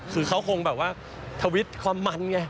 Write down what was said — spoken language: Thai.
คือเขาคงแบบว่าทวิตความมันไง